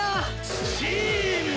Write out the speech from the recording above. スチーム！